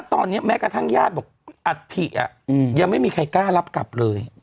ตอนนี้แม้กระทั่งญาติบอกอัฐิยังไม่มีใครกล้ารับกลับเลย